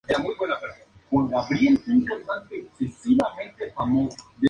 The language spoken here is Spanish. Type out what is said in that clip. Murió de cáncer cerebral.